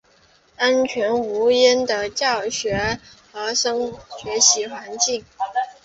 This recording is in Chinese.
安全无虞的教学和学习环境